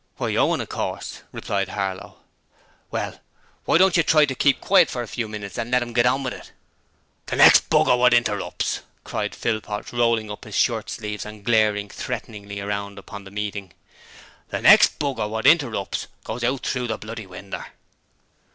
'Why, Owen, of course,' replied Harlow. 'Well, why don't you try to keep quiet for a few minutes and let 'im get on with it?' 'The next b r wot interrupts,' cried Philpot, rolling up his shirt sleeves and glaring threateningly round upon the meeting. 'The next b r wot interrupts goes out through the bloody winder!'